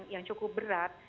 yang cukup berat